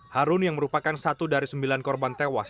harun yang merupakan satu dari sembilan korban tewas